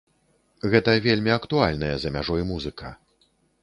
Гэта вельмі актуальная за мяжой музыка.